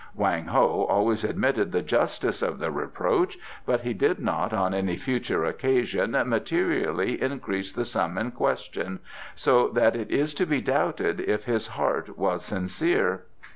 Wang Ho always admitted the justice of the reproach, but he did not on any future occasion materially increase the sum in question, so that it is to be doubted if his heart was sincere.